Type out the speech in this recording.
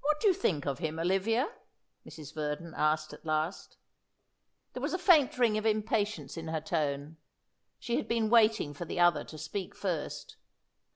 "What do you think of him, Olivia?" Mrs. Verdon asked at last. There was a faint ring of impatience in her tone. She had been waiting for the other to speak first.